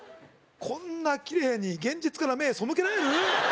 こんなキレイに現実から目背けられる？